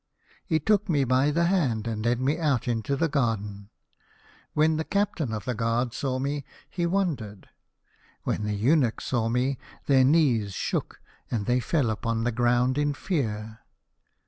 " He took me by the hand, and led me out into the garden. When the captain of the guard saw me, he wondered. When the eunuchs saw me, their knees shook and they fell upon the ground in fear.